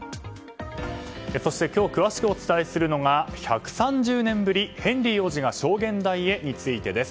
そして今日詳しくお伝えするのが１３０年ぶりヘンリー王子が証言台へについてです。